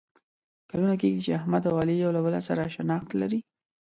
کلونه کېږي چې احمد او علي یو له بل سره شناخت لري.